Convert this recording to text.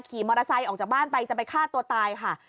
ขี่มอเตอร์ไซค์ออกจากบ้านไปจะไปฆ่าตัวตายค่ะ